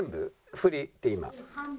振りって今。